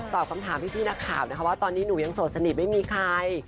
คำถามพี่นักข่าวนะคะว่าตอนนี้หนูยังโสดสนิทไม่มีใคร